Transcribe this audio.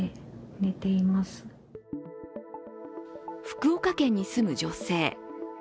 福岡県に住む女性。